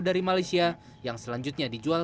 dari malaysia yang selanjutnya dijual